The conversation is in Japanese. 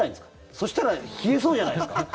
そしたら冷えそうじゃないですか